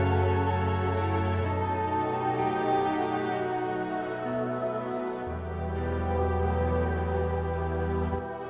kalau kamu menemukan aku